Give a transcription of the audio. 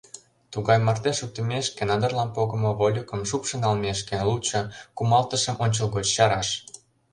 Тугай марте шуктымешке, надырлан погымо вольыкым шупшын налмешке, лучо кумалтышым ончылгоч чараш!